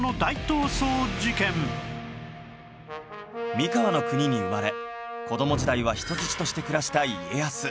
三河国に生まれ子ども時代は人質として暮らした家康